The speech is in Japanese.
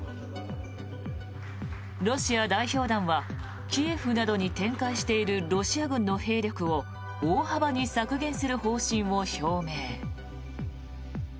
ロシア代表団はキエフなどに展開しているロシア軍の兵力を大幅に削減する方針を表明。